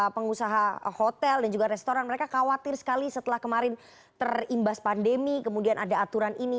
pengusaha hotel dan juga restoran mereka khawatir sekali setelah kemarin terimbas pandemi kemudian ada aturan ini